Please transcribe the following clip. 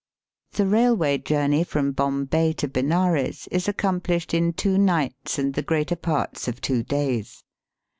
The railway journey from Bombay to Benares is accomplished in two nights and the greater parts of two days.